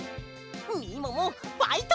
みももファイト！